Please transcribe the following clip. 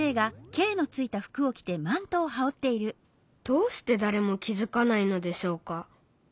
どうしてだれも気づかないのでしょうか？